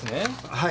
はい。